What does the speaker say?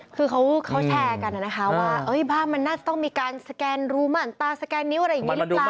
คือเขาแชร์กันนะคะว่าบ้านมันน่าจะต้องมีการสแกนรูหมั่นตาสแกนนิ้วอะไรอย่างนี้หรือเปล่า